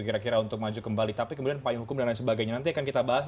kira kira untuk maju kembali tapi kemudian payung hukum dan lain sebagainya nanti akan kita bahas